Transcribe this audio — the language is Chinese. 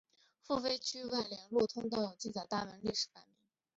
付费区外联络通道有记载大门历史的铭版。